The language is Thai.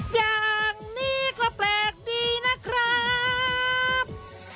อย่างนี้ก็แปลกดีนะครับ